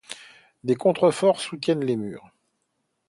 Des contreforts soutiennent les murs.